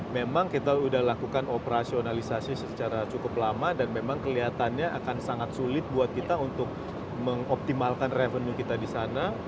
memang kita sudah lakukan operasionalisasi secara cukup lama dan memang kelihatannya akan sangat sulit buat kita untuk mengoptimalkan revenue kita di sana